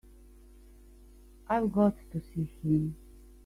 I've got to see him.